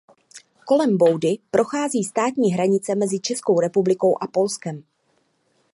Kolem boudy prochází státní hranice mezi Českou republikou a Polskem.